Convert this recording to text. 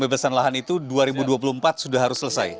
pembebasan lahan itu dua ribu dua puluh empat sudah harus selesai